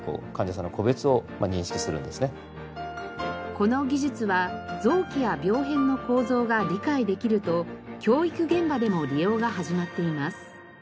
この技術は臓器や病変の構造が理解できると教育現場でも利用が始まっています。